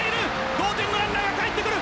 同点のランナーがかえってくる。